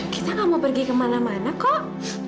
kita gak mau pergi kemana mana kok